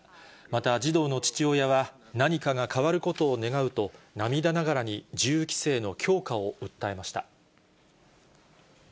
また児童の父親は、何かが変わることを願うと、涙ながらに銃規制の強化を訴えました。